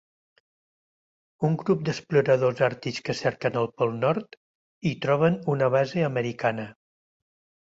Un grup d'exploradors àrtics que cerquen el Pol Nord hi troben una base marciana.